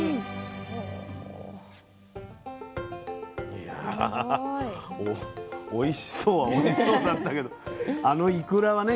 いやおいしそうはおいしそうなんだけどあのいくらはね